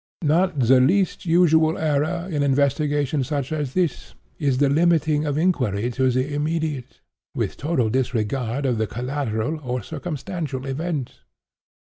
Not the least usual error, in investigations such as this, is the limiting of inquiry to the immediate, with total disregard of the collateral or circumstantial events.